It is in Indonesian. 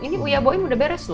ini uya boyin udah beres loh